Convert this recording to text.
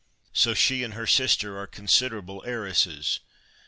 So she and her sister are considerable heiresses.